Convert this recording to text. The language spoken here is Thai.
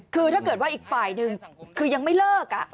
คือถ้าเกิดว่าอีกฝ่ายหนึ่งคือยังไม่เลิก